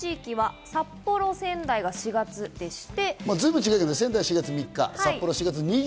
他の地域は札幌、仙台は４月でして。